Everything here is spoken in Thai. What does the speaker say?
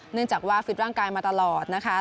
เนื่องจากว่าฟิตร่างกายมาตลอดนะคะ